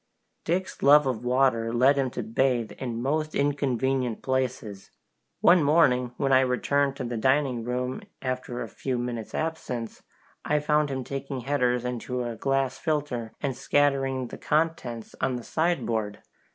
Dick's love of water led him to bathe in most inconvenient places. One morning, when I returned to the dining room after a few minutes' absence, I found him taking headers into a glass filter and scattering the contents on the sideboard.